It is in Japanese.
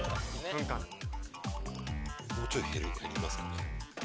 もうちょい減りますかね。